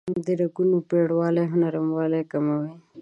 د رګونو پیړوالی او نرموالی کموي.